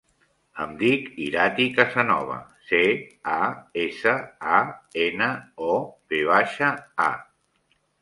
Em dic Irati Casanova: ce, a, essa, a, ena, o, ve baixa, a.